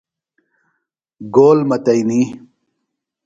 گول متئنی۔